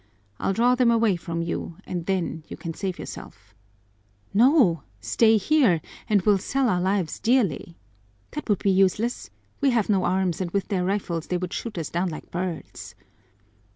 I'll draw them away from you and then you can save yourself." "No, stay here, and we'll sell our lives dearly!" "That would be useless. We have no arms and with their rifles they would shoot us down like birds."